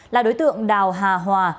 là đối tượng đào hà hòa